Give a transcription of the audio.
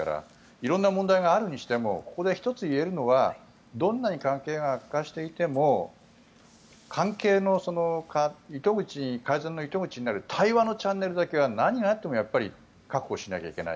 いろんな問題があるにしてもここで１つ、言えるのはどんなに関係が悪化していても改善の糸口になる対話のチャンネルだけは何があってもやっぱり確保しなきゃいけない。